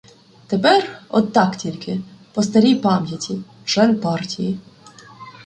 Тепер — от так тільки, по старій пам'яті — член партії.